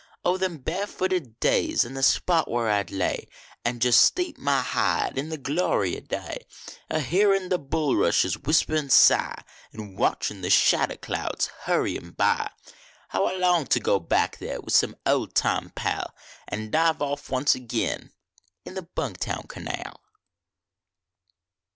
Oh, them barefooted days an the spot where I d lay An jest steeped my hide in the glory o day, A hearin the bulrushes whisper an sigh, An watchin the shadder clouds hurryin by. How I long to go back there, with some old time pal, X dive off once a<nn in the l.ung Town Canal.